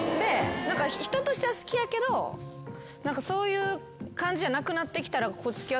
人としては好きやけどそういう感じじゃなくなってきたら。